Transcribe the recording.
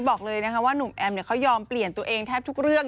บอกเลยนะคะว่าหนุ่มแอมเขายอมเปลี่ยนตัวเองแทบทุกเรื่อง